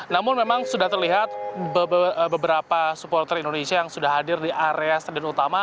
namun memang sudah terlihat beberapa supporter indonesia yang sudah hadir di area stadion utama